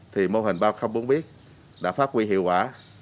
thì mô hình ba trăm linh bốn biết đã phát huy hiệu quả